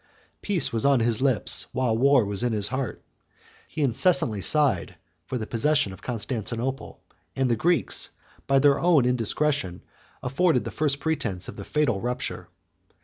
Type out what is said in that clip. Peace was on his lips, while war was in his heart: he incessantly sighed for the possession of Constantinople; and the Greeks, by their own indiscretion, afforded the first pretence of the fatal rupture.